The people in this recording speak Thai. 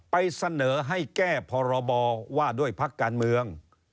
ไปเสนอให้แก้พรบว่าด้วยพักการเมือง